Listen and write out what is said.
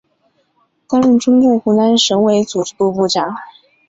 担任中共湖南省委组织部部长。